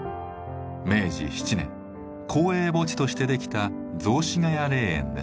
明治７年公営墓地としてできた雑司ヶ谷霊園です。